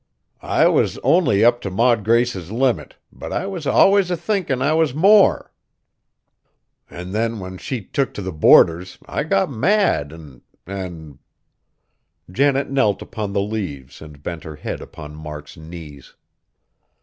I was only up t' Maud Grace's limit, but I was allus a thinkin' I was more, an' then when she took t' the boarders I got mad an', an' " Janet knelt upon the leaves and bent her head upon Mark's knees.